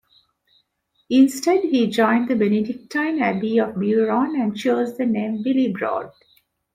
Instead he joined the Benedictine abbey of Beuron and chose the name Willibrord.